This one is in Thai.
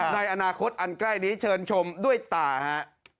ในอนาคตอันใกล้นี้เชิญชมด้วยตาฮะ